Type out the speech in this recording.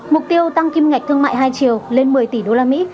mục tiêu tăng kim ngạch thương mại hai triều lên một mươi tỷ usd